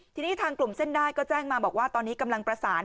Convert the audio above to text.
ทีนี้ทางกลุ่มเส้นได้ก็แจ้งมาบอกว่าตอนนี้กำลังประสาน